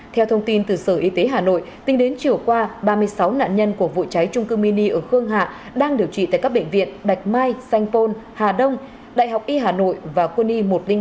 theo thông tin từ sở y tế hà nội tính đến chiều qua ba mươi sáu nạn nhân của vụ cháy trung cư mini ở khương hạ đang điều trị tại các bệnh viện bạch mai sanh pôn hà đông đại học y hà nội và quân y một trăm linh ba